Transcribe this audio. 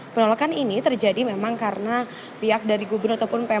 penolakan ini terjadi memang karena pihak dari gubernur ataupun pemprov